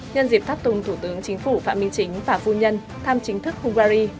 nhân dịp tháp tùng thủ tướng chính phủ phạm minh chính và phu nhân thăm chính thức hungary